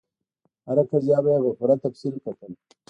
هره قضیه به یې په پوره تفصیل کتل.